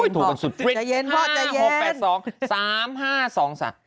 ถูกกันสุด